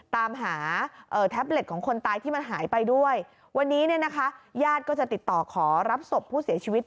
ตามหาแท็บเล็ตของคนตายที่มันหายไปด้วยวันนี้เนี่ยนะคะญาติก็จะติดต่อขอรับศพผู้เสียชีวิต